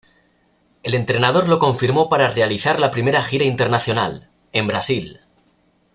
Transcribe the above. El entrenador lo confirmó para realizar la primera gira internacional, en Brasil.